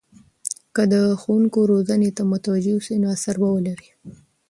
که د ښوونکو روزنې ته توجه وسي، نو اثر به ولري.